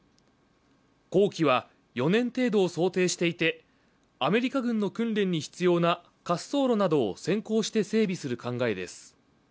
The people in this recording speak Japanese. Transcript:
工期は４年程度を想定していてアメリカ軍の訓練に必要な滑走路などを先行して整備する考えです。